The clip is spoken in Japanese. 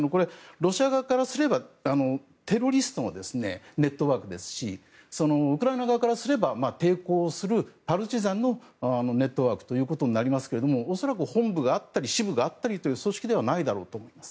ロシア側からすればテロリストのネットワークですしウクライナ側からすれば抵抗するパルチザンのネットワークということになりますけど恐らく、本部があったり支部があったりという組織ではないと思います。